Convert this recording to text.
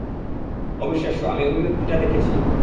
অবিশ্বাস্য, আমি অভিব্যক্তিটা দেখেছি।